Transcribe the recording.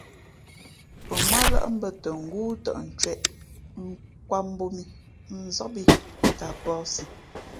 Pαŋwátlάʼ bᾱ tα ngóó tαʼ ncwēʼ, nkwāt mbōb mǐ, nzób ī tα a pᾱαsi.